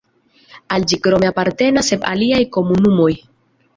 Al ĝi krome apartenas sep aliaj komunumoj.